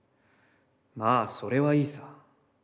まあ、それはいいさ。